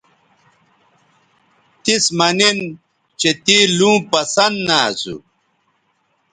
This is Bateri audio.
تِس مہ نن چہء تے لوں پسند نہ اسو